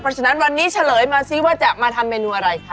เพราะฉะนั้นวันนี้เฉลยมาซิว่าจะมาทำเมนูอะไรคะ